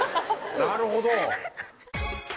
なるほど！